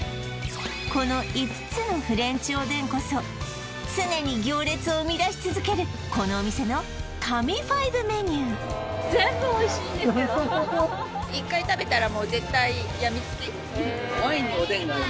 この５つのフレンチおでんこそ常に行列を生み出し続けるこのお店の神５メニューそう